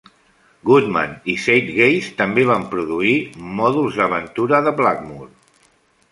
Goodman i Zeitgeist també van produir mòduls d'aventura de Blackmoor.